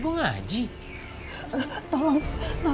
mereka akan jadi solamente